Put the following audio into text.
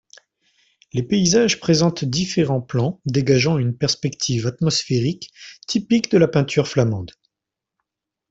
Les paysages présentent différents plans dégageant une perspective atmosphérique typique de la peinture flamande.